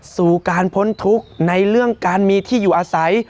สู่การพ้นทุกข์ในเรื่องการมีที่อยู่อาศัย